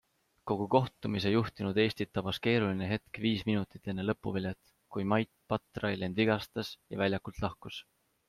Kogu kohtumise juhtinud Eestit tabas keeruline hetk viis minutit enne lõpuvilet, kui Mait Patrail end vigastas ja väljakult lahkus.